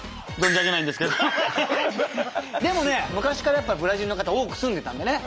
でもね昔からやっぱブラジルの方多く住んでたんでね